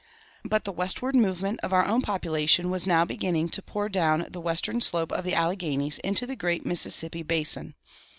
But the westward movement of our own population was now beginning to pour down the western slope of the Alleghanies into the great Mississippi basin.